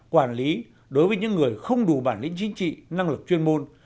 quản lý đối với những người không đủ bản lĩnh chính trị năng lực chuyên môn